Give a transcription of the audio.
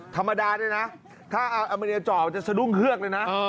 ธรรมดาเนี่ยนะถ้าเอาแอลมโมเนียจ่อจะสะดุ้งเคือกเลยนะ